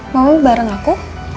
mau lo bareng aku